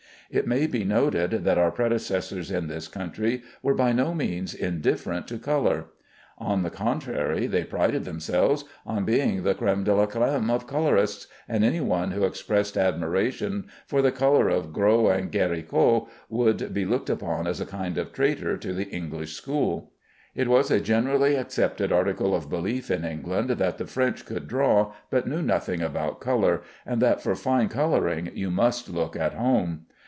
It may be noted that our predecessors in this country were by no means indifferent to color. On the contrary, they prided themselves on being the crème de la crème of colorists, and any one who expressed admiration for the color of Gros and Géricault would be looked upon as a kind of traitor to the English school. It was a generally accepted article of belief in England, that the French could draw, but knew nothing about color, and that for fine coloring you must look at home.